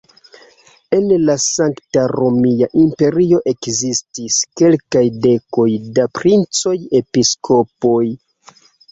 En la Sankta Romia Imperio ekzistis kelkaj dekoj da princoj-episkopoj.